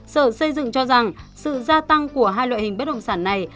sở xây dựng cho rằng sự gia tăng của hai loại hình bất động sản này